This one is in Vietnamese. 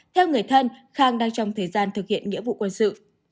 theo người thân khang đang trong thời gian thực hiện nghĩa vụ quân sự